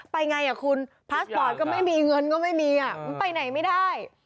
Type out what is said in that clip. ไปไงคุณพาสปอร์ตก็ไม่มีเงินก็ไม่มีอ่ะมันไปไหนไม่ได้